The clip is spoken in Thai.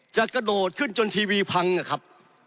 กระโดดขึ้นจนทีวีพังนะครับ